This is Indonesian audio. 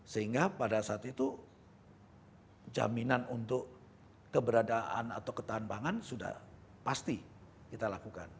sehingga pada saat itu jaminan untuk keberadaan atau ketahan pangan sudah pasti kita lakukan